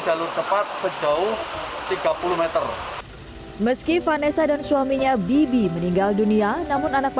jalur cepat sejauh tiga puluh m meski vanessa dan suaminya bibi meninggal dunia namun anak